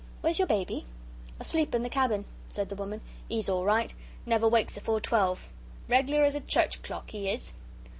Where's your baby?" "Asleep in the cabin," said the woman. "'E's all right. Never wakes afore twelve. Reg'lar as a church clock, 'e is."